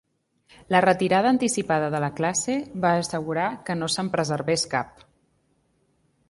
La retirada anticipada de la classe va assegurar que no se'n preservés cap.